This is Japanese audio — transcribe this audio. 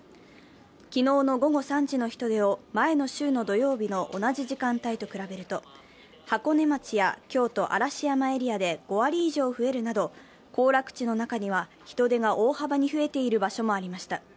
昨日の午後３時の人出を前の週の土曜日の同じ時間帯と比べると、箱根町や京都・嵐山エリアで５割り以上増えるなど、行楽地の中には人出が大幅に増えている場所もありました。